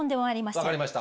分かりました。